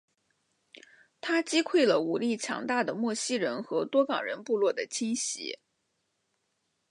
他击溃了武力强大的莫西人和多冈人部落的侵袭。